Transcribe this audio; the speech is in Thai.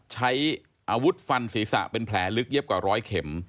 ใช้อาวุธฟันศีรษะเป็นแผลลึกเย็บกว่าร้อยเข็ม